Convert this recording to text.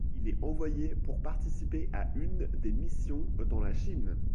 Il est envoyé pour participer à une des missions dans la Chine.